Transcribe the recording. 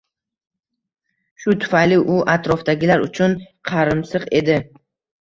Shu tufayli u atrofdagilar uchun qarimsiq edi.